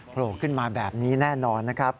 โผล่ขึ้นมาแบบนี้แน่นอนนะครับ